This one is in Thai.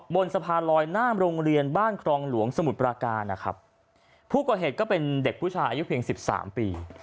บนสะพานลอยหน้าโรงเรียนบ้านครองหลวงสมุทรปราการนะครับผู้ก่อเหตุก็เป็นเด็กผู้ชายอายุเพียงสิบสามปี